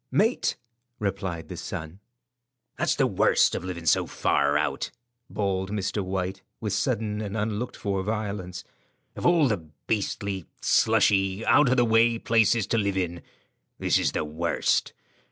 "Mate," replied the son. "That's the worst of living so far out," bawled Mr. White, with sudden and unlooked for violence; "of all the beastly, slushy, out of the way places to live in, this is the worst.